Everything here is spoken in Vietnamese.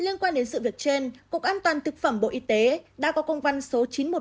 liên quan đến sự việc trên cục an toàn thực phẩm bộ y tế đã có công văn số chín trăm một mươi ba